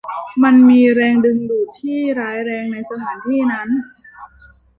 มันมีแรงดึงดูดที่ร้ายแรงในสถานที่นั้น